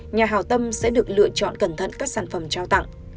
nhà hào tâm sẽ được lựa chọn cẩn thận các sản phẩm trao tặng